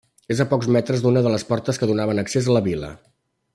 És a pocs metres d'una de les portes que donaven accés a la vila.